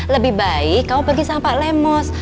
lebih baik kamu pergi sama pak lemos